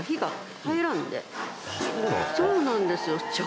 そうなんですか？